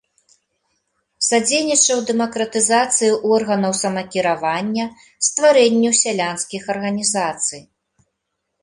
Садзейнічаў дэмакратызацыі органаў самакіравання, стварэнню сялянскіх арганізацый.